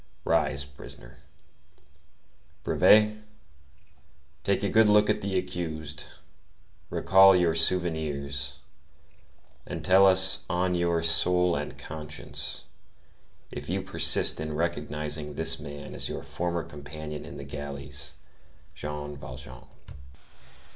Rise, prisoner. Brevet, take a good look at the accused, recall your souvenirs, and tell us on your soul and conscience, if you persist in recognizing this man as your former companion in the galleys, Jean Valjean?"